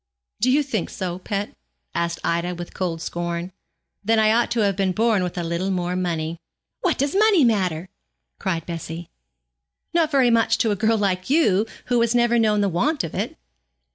'Do you think so, pet?' asked Ida, with cold scorn; 'then I ought to have been born with a little more money.' 'What does money matter?' cried Bessie. 'Not very much to a girl like you, who has never known the want of it.'